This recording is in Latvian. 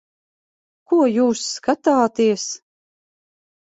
Ko jūs skatāties?